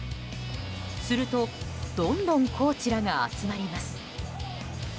すると、どんどんコーチらが集まります。